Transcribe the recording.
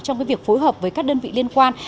trong việc phối hợp với các đơn vị liên quan